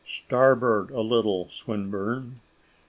"Starboard a little, Swinburne."